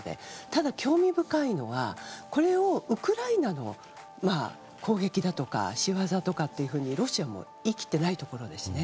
ただ、興味深いのはこれをウクライナの攻撃だとか仕業とかというふうに、ロシアが言い切っていないところですね。